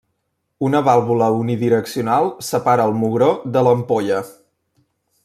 Una vàlvula unidireccional separa el mugró de l'ampolla.